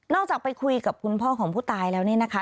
จากไปคุยกับคุณพ่อของผู้ตายแล้วเนี่ยนะคะ